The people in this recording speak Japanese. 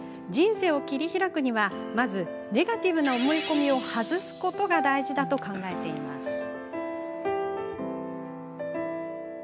人生を切り開くにはまずネガティブな思い込みを外すことが大事だと考えています。